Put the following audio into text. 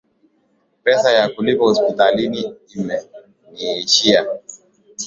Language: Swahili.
Pesa ya kulipa hospitalini imeniishia.